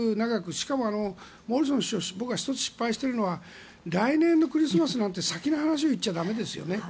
しかもモリソン首相は僕は１つ心配しているのは来年のクリスマスとか先の話を言っちゃ駄目ですよね。